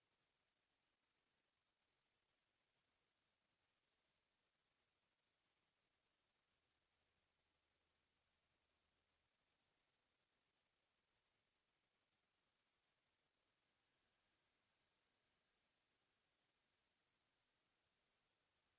โปรดติดตามต่อไป